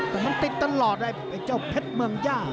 แต่มันติดตลอดไอ้เจ้าเพชรเมืองย่า